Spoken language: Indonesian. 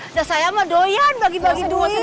udah saya sama doyan bagi bagi duit